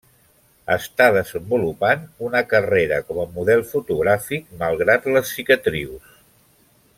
Està desenvolupant una carrera com a model fotogràfic malgrat les cicatrius.